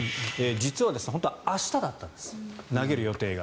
実は本当は明日だったんです投げる予定が。